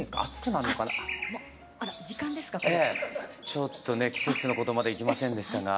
ちょっとね季節のことまでいきませんでしたが。